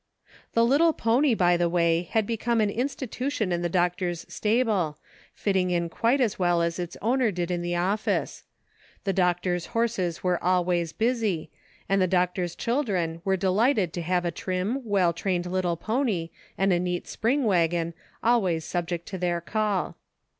The little pony, by the way, had become an in stitution in the doctor's stable, fitting in quite as well as its owner did in the office. The doctor's horses were always busy, and the doctor's children were delighted to have a trim, well trained little pony and a neat spring wagon always subject to their call.